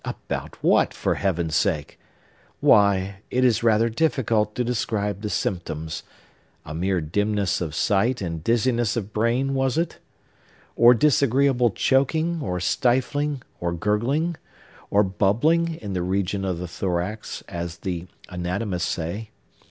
About what, for Heaven's sake? Why, it is rather difficult to describe the symptoms. A mere dimness of sight and dizziness of brain, was it?—or disagreeable choking, or stifling, or gurgling, or bubbling, in the region of the thorax, as the anatomists say?